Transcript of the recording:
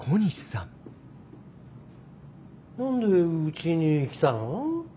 何でうちに来たの？